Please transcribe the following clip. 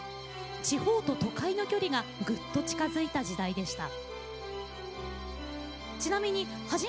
地方と都会の距離がぐっと近づいた時代でした。